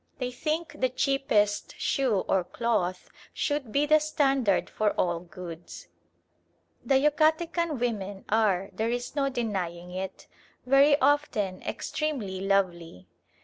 They think the cheapest shoe or cloth should be the standard for all goods. The Yucatecan women are, there is no denying it, very often extremely lovely.